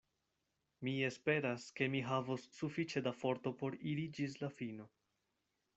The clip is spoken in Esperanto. Mi esperas, ke mi havos sufiĉe da forto por iri ĝis la fino.